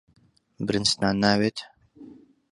برنجتان ناوێت؟